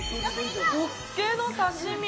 ホッケの刺身。